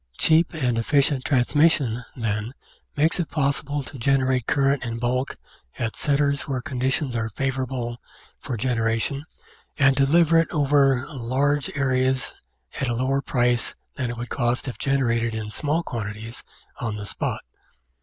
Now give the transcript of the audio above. Cheap and efficient transmission, then, makes it possible to generate current in bulk at centres where conditions are favour able for generation and to deliver it over large areas at a lower price than it would cost if generated in small quantities on the spot.